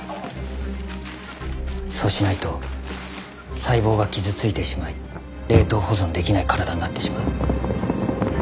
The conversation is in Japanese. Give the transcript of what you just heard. そうしないと細胞が傷ついてしまい冷凍保存できない体になってしまう。